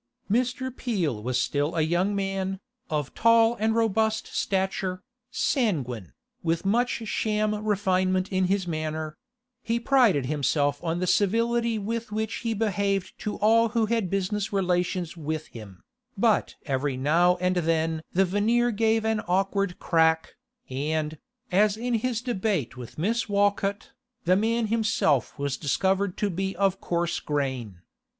Mr. Peel was still a young man, of tall and robust stature, sanguine, with much sham refinement in his manner; he prided himself on the civility with which he behaved to all who had business relations with him, but every now and then the veneer gave an awkward crack, and, as in his debate with Miss Walcott, the man himself was discovered to be of coarse grain.